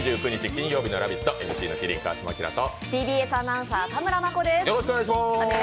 金曜日の「ラヴィット！」、ＭＣの麒麟・川島明とＴＢＳアナウンサー・田村真子です。